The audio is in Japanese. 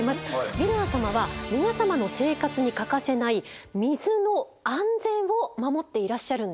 ヴィラン様は皆様の生活に欠かせない水の安全を守っていらっしゃるんです。